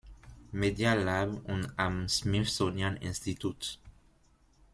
Media Lab und am Smithsonian Institut.